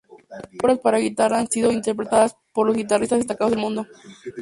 Sus obras para guitarra han sido interpretada por los guitarristas destacados del mundo.